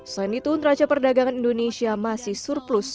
selain itu neraca perdagangan indonesia masih surplus